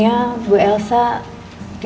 gak ada istri bapak